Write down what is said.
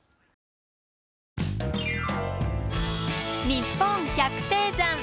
「にっぽん百低山」。